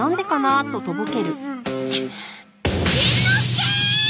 しんのすけっ！！